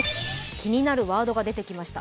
気になるワードが出てきました。